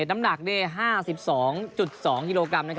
น้ำหนักเนี่ย๕๒๒ฮ